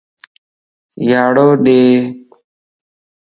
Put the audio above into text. ياڙو ڏي